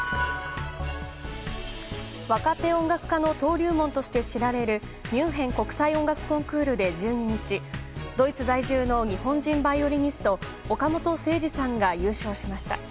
若手音楽家の登竜門として知られるミュンヘン国際音楽コンクールで１２日ドイツ在住の日本人バイオリニスト岡本誠司さんが優勝しました。